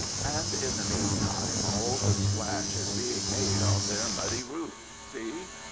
And in the meantime all the splash is being made on their muddy oof. See?"